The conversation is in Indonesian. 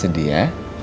gak sedih ya